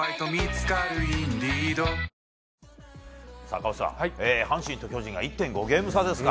赤星さん、阪神と巨人が１．５ゲーム差ですか。